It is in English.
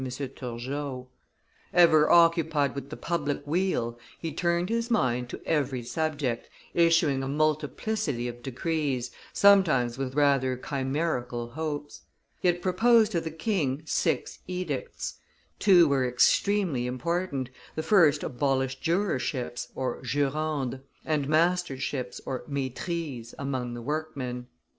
Turgot. Ever occupied with the public weal, he turned his mind to every subject, issuing a multiplicity of decrees, sometimes with rather chimerical hopes. He had proposed to the king six edicts; two were extremely important; the first abolished jurorships (jurandes) and masterships (maitrises) among the workmen.